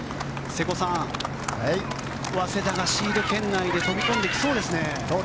瀬古さん、早稲田がシード圏内で飛び込んできそうですね。